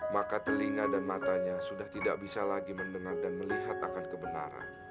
maka telinga dan matanya sudah tidak bisa lagi mendengar dan melihat akan kebenaran